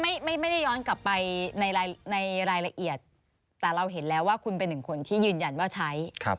ไม่ได้ย้อนกลับไปในรายละเอียดแต่เราเห็นแล้วว่าคุณเป็นหนึ่งคนที่ยืนยันว่าใช้